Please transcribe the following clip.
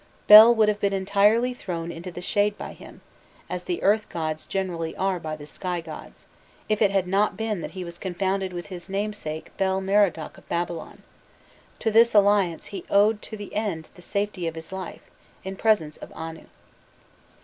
Bel would have been entirely thrown into the shade by him, as the earth gods generally are by the sky gods, if it had not been that he was confounded with his namesake Bel Merodach of Babylon: to this alliance he owed to the end the safety of his life, in presence of Anu.